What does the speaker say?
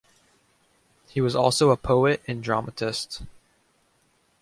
He was also a poet and dramatist.